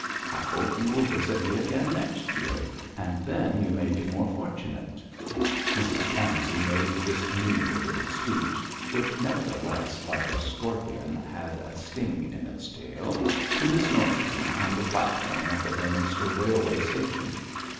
I hope you will visit me again next year, and then you may be more fortunate.' Mrs Pansey made this amiable little speech which nevertheless, like a scorpion, had a sting in its tail to Miss Norsham on the platform of the Beorminster railway station.